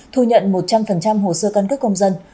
thu nhận một trăm linh hồ sơ căn cước công dân